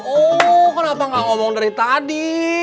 oh kenapa gak ngomong dari tadi